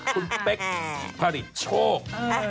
คุณเป๊กผลิตโชค